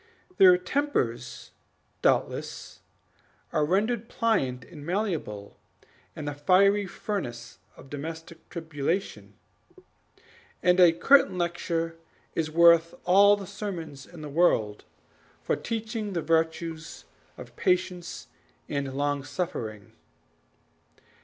Their tempers, doubtless, are rendered pliant and malleable in the fiery furnace of domestic tribulation; and a curtain lecture is worth all the sermons in the world for teaching the virtues of patience and long suffering.